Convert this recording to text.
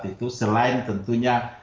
itu selain tentunya